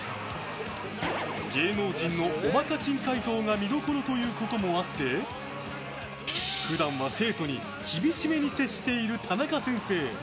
芸能人のおバカ珍解答が見どころということもあって普段は生徒に厳しめに接している田中先生。